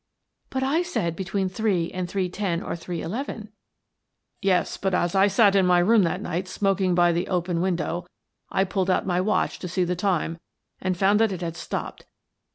" But I said between three and three ten or three eleven." " Yes, but, as I sat in my room that night smok ing by the open window, I pulled out my watch to see the time and found that it had stopped.